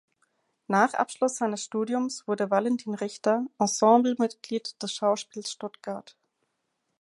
Nach Abschluss seines Studiums wurde Valentin Richter Ensemblemitglied des Schauspiels Stuttgart.